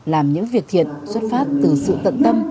làm những việc thiện xuất phát từ sự tận tâm